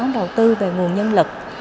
đầu tư về nguồn nhân lực